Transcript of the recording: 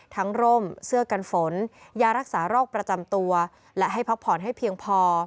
ร่มเสื้อกันฝนยารักษาโรคประจำตัวและให้พักผ่อนให้เพียงพอ